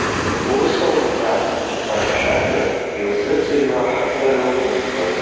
Усоуми нас, уанцәажәо иузыӡырҩуа ҳаҭыр иқәумҵои.